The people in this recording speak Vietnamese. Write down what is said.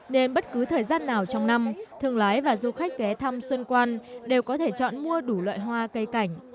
nên bất cứ thời gian nào trong năm thương lái và du khách ghé thăm xuân quan đều có thể chọn mua đủ loại hoa cây cảnh